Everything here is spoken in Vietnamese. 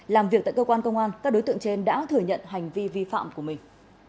làm việc tại cơ quan công an các đối tượng trên đã thừa nhận hành vi vi phạm của mình